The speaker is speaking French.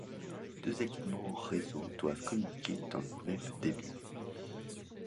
Deux équipements réseau doivent communiquer dans le même débit.